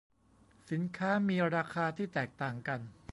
สินค้ามีราคาที่แตกต่างกัน